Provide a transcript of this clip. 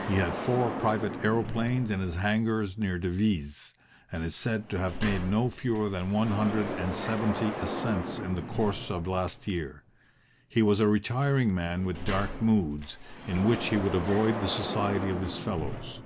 He had four private aeroplanes in his hangars near Devizes, and is said to have made no fewer than one hundred and seventy ascents in the course of last year. He was a retiring man with dark moods, in which he would avoid the society of his fellows.